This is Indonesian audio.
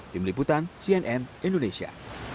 di meliputan cnn indonesia